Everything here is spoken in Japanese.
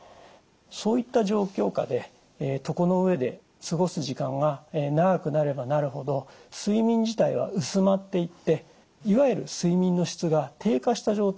そういった状況下で床の上で過ごす時間が長くなればなるほど睡眠自体は薄まっていっていわゆる睡眠の質が低下した状態になりやすいんです。